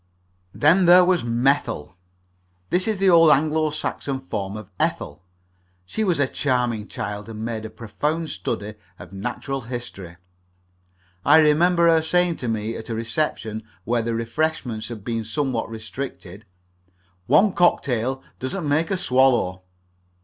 Then there was Methyll this is the old Anglo Saxon form of Ethel. She was a charming child and made a profound study of natural history. I remember her saying to me at a reception where the refreshments had been somewhat restricted: "One cocktail doesn't make a swallow."